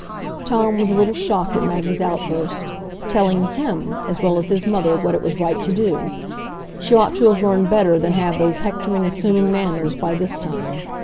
Tom was a little shocked at Maggie's outburst,—telling him as well as his mother what it was right to do! She ought to have learned better than have those hectoring, assuming manners, by this time.